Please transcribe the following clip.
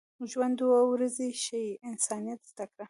ژوند دوه ورځې شي، انسانیت زده کړه.